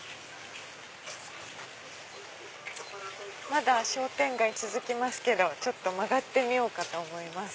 まだ商店街続きますけど曲がってみようかと思います。